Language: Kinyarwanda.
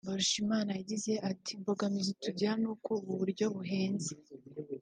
Mbarushimana yagize ati “Imbogamizi tugira ni uko ubu buryo buhenze